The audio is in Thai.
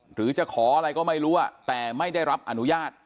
หรือจะขออะไรก็ไม่รู้แต่ไม่ได้รับอนุญาต